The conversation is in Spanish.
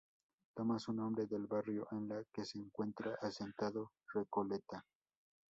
Toma su nombre del barrio en la que se encuentra asentado Recoleta.